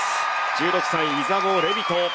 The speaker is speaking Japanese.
１６歳イザボー・レビト。